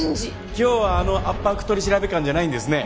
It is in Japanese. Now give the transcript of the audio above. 今日はあの圧迫取調官じゃないんですね。